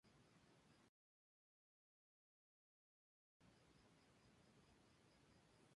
Nació en Baden-Baden, Alemania, y viaja a Berlín para dedicarse a la actuación.